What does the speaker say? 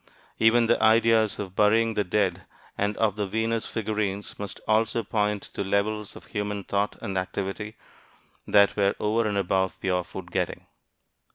Even the ideas of burying the dead and of the "Venus" figurines must also point to levels of human thought and activity that were over and above pure food getting.